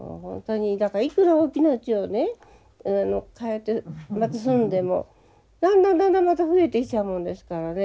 だからいくら大きなうちをね替えてまた住んでもだんだんだんだんまた増えてきちゃうもんですからね。